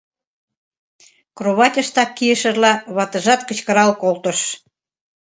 — кроватьыштак кийышыжла, ватыжат кычкырал колтыш.